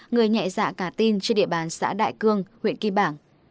người nhẹ dạ cả tin trên địa bàn xã đại cương huyện kim bảng